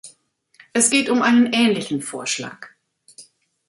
Es geht um einen ähnlichen Vorschlag.